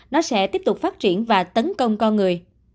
nó sẽ tiếp tục phát triển và tấn công con người